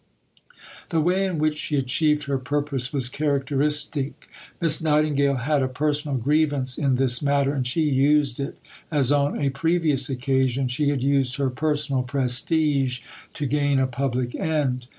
The way in which she achieved her purpose was characteristic. Miss Nightingale had a personal grievance in this matter; and she used it, as on a previous occasion she had used her personal prestige, to gain a public end.